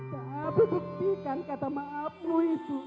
saya berbuktikan kata maafmu itu